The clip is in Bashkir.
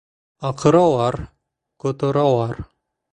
Аҡыралар, ҡоторалар...